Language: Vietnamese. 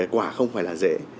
quả không phải là dễ